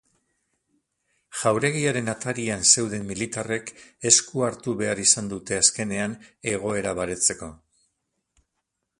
Jauregiaren atarian zeuden militarrek esku hartu behar izan dute azkenean egoera baretzeko.